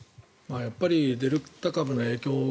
やっぱりデルタ株の影響